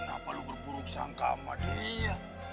kenapa lo berburuk sangka sama dia